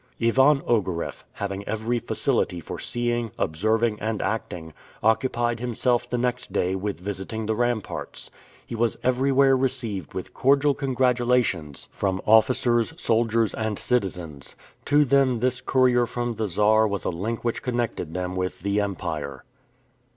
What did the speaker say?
Ivan Ogareff, having every facility for seeing, observing, and acting, occupied himself the next day with visiting the ramparts. He was everywhere received with cordial congratulations from officers, soldiers, and citizens. To them this courier from the Czar was a link which connected them with the empire.